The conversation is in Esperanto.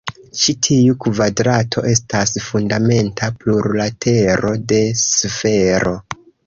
Ĉi tiu kvadrato estas fundamenta plurlatero de sfero.